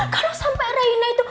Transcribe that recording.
kalau sampai reina itu